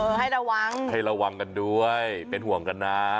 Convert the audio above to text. ให้ระวังให้ระวังกันด้วยเป็นห่วงกันนะ